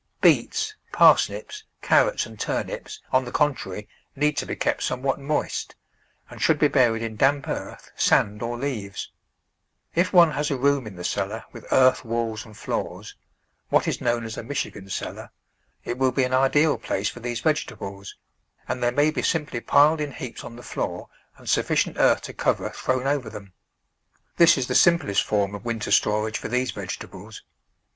Beets, parsnips, carrots, and turnips, on the con trary, need to be kept somewhat moist, and should be buried in damp earth, sand, or leaves. If one has a room in the cellar with earth walls and floors — what is known as a Michigan cellar — it will be an ideal place for these vegetables, and they may be simply piled in heaps on the floor and sufficient earth to cover thrown over them. This is the sim THE VEGETABLE GARDEN plest form of winter storage for these vegetables.